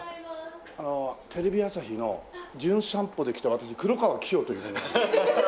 テレビ朝日の『じゅん散歩』で来た私黒川紀章という者。